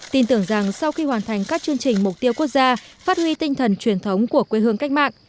tin tưởng rằng sau khi hoàn thành các chương trình mục tiêu quốc gia phát huy tinh thần truyền thống của quê hương cách mạng